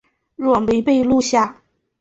若没被记录下来